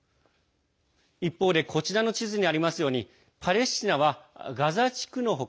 一方でこちらの地図にありますようにパレスチナはガザ地区の他